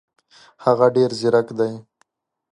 هغه ډېر زیرک دی.